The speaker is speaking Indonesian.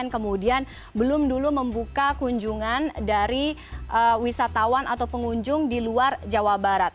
kemudian belum dulu membuka kunjungan dari wisatawan atau pengunjung di luar jawa barat